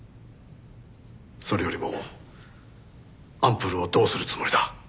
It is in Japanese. それよりもアンプルをどうするつもりだ？